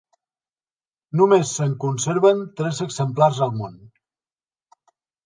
Només se'n conserven tres exemplars al món.